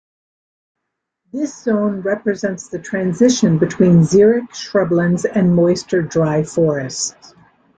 This zone represents the transition between xeric shrublands and moister dry forests.